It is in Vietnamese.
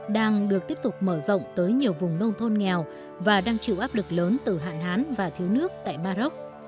đang được tiếp tục mở rộng tới nhiều vùng nông thôn nghèo và đang chịu áp lực lớn từ hạn hán và thiếu nước tại maroc